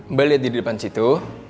mbak lihat di depan situ